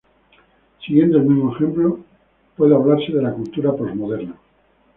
Siguiendo el mismo ejemplo, puede hablarse de la cultura posmoderna.